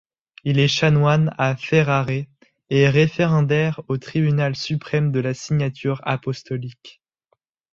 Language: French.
Il est chanoine à Ferrare et référendaire au tribunal suprême de la Signature apostolique.